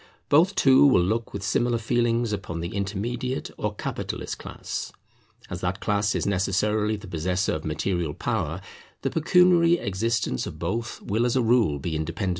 Both too will look with similar feelings upon the intermediate or capitalist class. As that class is necessarily the possessor of material power, the pecuniary existence of both will as a rule be independent upon it.